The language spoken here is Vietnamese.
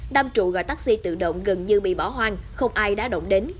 đam trụ gọi taxi tự động gần như bị bỏ hoang không ai đã động đến